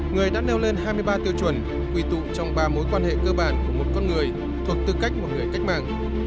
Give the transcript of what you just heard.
người đã nêu lên hai mươi ba tiêu chuẩn quy tụ trong ba mối quan hệ cơ bản của một con người thuộc tư cách một người cách mạng